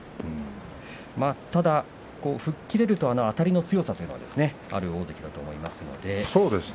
ただ吹っ切れるとあたりの強さがある大関だと思いますので。